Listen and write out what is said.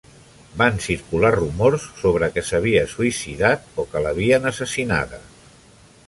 Van circular rumors sobre que s'havia suïcidat o que l'havien assassinada.